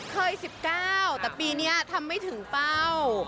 ๑๙แต่ปีนี้ทำไม่ถึงเป้า